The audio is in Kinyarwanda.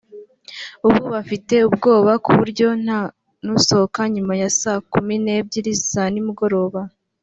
ubu bafite ubwoba ku buryo nta n’usohoka nyuma ya saa kumi n’ebyiri za nimugoroba